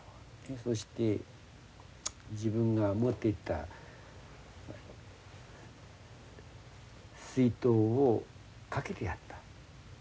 そして自分が持っていった水筒をかけてやった。